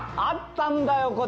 あったんだよ